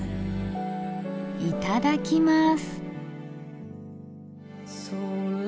いただきます。